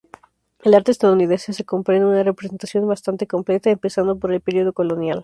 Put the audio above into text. El Arte estadounidense comprende una representación bastante completa, empezando por el período Colonial.